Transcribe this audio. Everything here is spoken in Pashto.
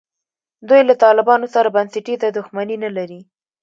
دوی له طالبانو سره بنسټیزه دښمني نه لري.